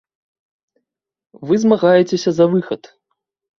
Вы змагаецеся за выхад.